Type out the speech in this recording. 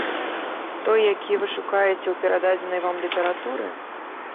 Той, які вы шукаеце ў перададзенай вам літаратуры?